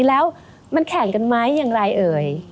แล้วมันแข่งกันไหมอย่างไรเอ่ย